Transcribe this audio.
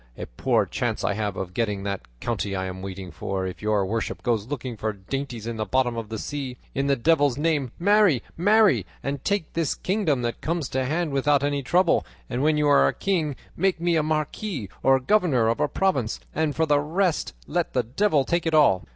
A poor chance I have of getting that county I am waiting for if your worship goes looking for dainties in the bottom of the sea. In the devil's name, marry, marry, and take this kingdom that comes to hand without any trouble, and when you are king make me a marquis or governor of a province, and for the rest let the devil take it all."